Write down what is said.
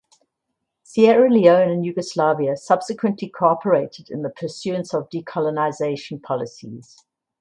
Sierra Leone and Yugoslavia subsequently cooperated in the pursuance of decolonization policies.